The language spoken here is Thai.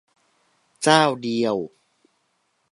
เจ้าเดียว !